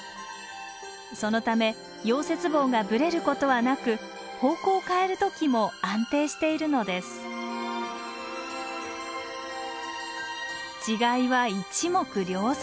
そのため溶接棒がブレることはなく方向を変える時も安定しているのです違いは一目瞭然。